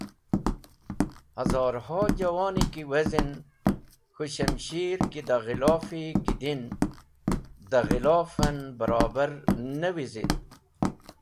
Hazorho juwoni ki wezin k̃hũ shamshir ki da ghilofi ki din, da ghilof en barobar ne wizit.